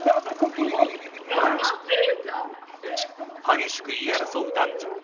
激しく言い争う男女。